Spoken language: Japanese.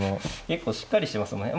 結構しっかりしてますもんね。